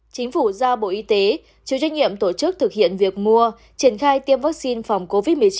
chính phủ giao bộ y tế chịu trách nhiệm tổ chức thực hiện việc mua triển khai tiêm vaccine phòng covid một mươi chín